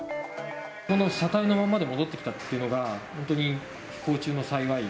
この車体のままで戻ってきたっていうのが、本当に不幸中の幸い。